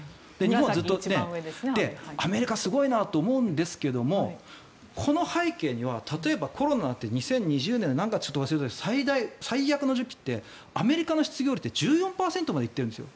アメリカ、すごいなと思うんですがこの背景には例えばコロナで２０２０年の何月か忘れましたが最悪の時期ってアメリカの失業率って１４％まで行っているんですよ。